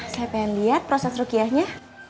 saya pengen lihat proses rukiahnya